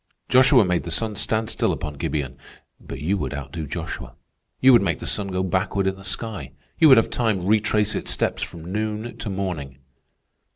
Joshua made the sun stand still upon Gibeon, but you would outdo Joshua. You would make the sun go backward in the sky. You would have time retrace its steps from noon to morning.